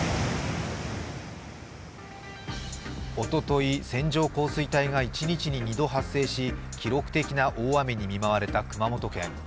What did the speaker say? おととい、線状降水帯が一日に２度発生し記録的な大雨に見舞われた熊本県。